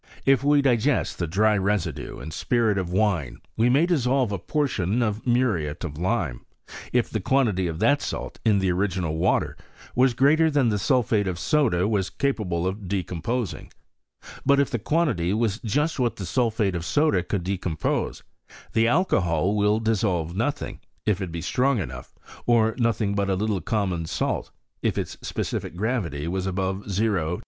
If we digest the dry residue in spirit of wine, we may dissolve a portion of muriate of lime, if the quantity of that salt in the original water was greater than the sulphate of soda was capable of decomposing: but if the quantity was just what the sulphate of soda could decompose, the alcohol will dissolve nothing, if it be strong enough, or nothing but a little common salt, if its specific gravity was above 0*820.